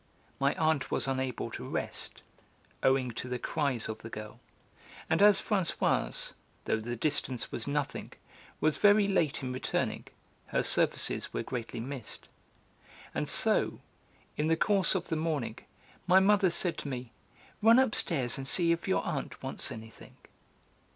My aunt was unable to 'rest,' owing to the cries of the girl, and as Françoise, though the distance was nothing, was very late in returning, her services were greatly missed. And so, in the course of the morning, my mother said to me: "Run upstairs, and see if your aunt wants anything."